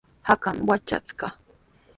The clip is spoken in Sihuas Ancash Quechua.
Hakaami watrashqa.